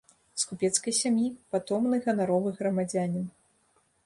З купецкай сям'і, патомны ганаровы грамадзянін.